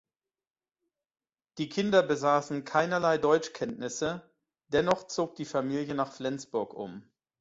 Die Kinder besaßen keinerlei Deutschkenntnisse, dennoch zog die Familie nach Flensburg um.